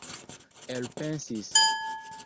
elpensis